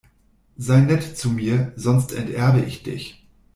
Sei nett zu mir, sonst enterbe ich dich!